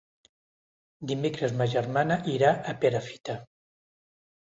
Dimecres ma germana irà a Perafita.